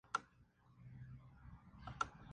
La terminación general para la función cetona es "-ona".